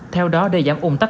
theo đó đề giảm ủng tắc